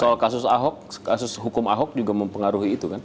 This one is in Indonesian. soal kasus ahok kasus hukum ahok juga mempengaruhi itu kan